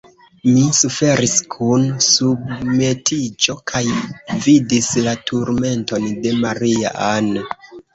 Mi suferis kun submetiĝo, kaj vidis la turmenton de Maria-Ann.